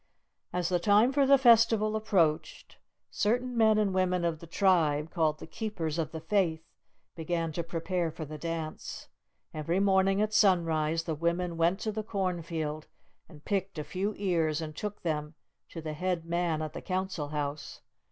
As the time for the Festival approached, certain men and women of the tribe, called the "Keepers of the Faith," began to prepare for the dance. Every morning at sunrise, the women went to the cornfield and picked a few ears, and took them to the Head Man at the Council House.